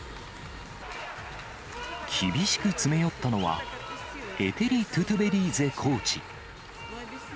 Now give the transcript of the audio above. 厳しく詰め寄ったのは、エテリ・トゥトベリーゼコーチ。